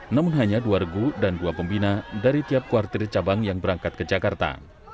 namun hanya dua regu dan dua pembina dari tiap kuartir cabang yang berangkat ke jakarta